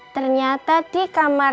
ternyata di kamar